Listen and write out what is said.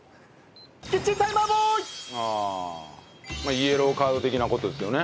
イエローカード的な事ですよね。